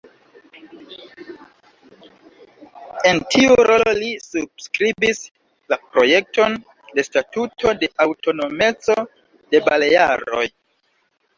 En tiu rolo li subskribis la projekton de Statuto de aŭtonomeco de Balearoj.